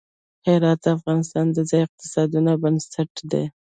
هرات د افغانستان د ځایي اقتصادونو بنسټ دی.